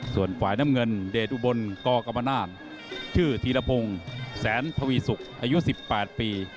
ส่วนฝ่ายน้ำเงินเดชอุบลกกรรมนาศชื่อธีรพงศ์แสนทวีสุกอายุ๑๘ปี